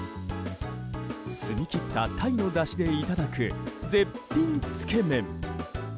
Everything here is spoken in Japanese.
澄み切った鯛のだしでいただく絶品つけ麺。